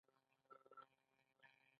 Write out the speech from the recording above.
سوداګر په دې توکو هېڅ ډول کار نه دی کړی